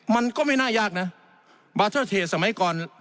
มันก็ไม่น่ายากนะบาร์เทอร์เทจสมัยก่อน